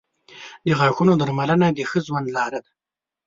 • د غاښونو درملنه د ښه ژوند لار ده.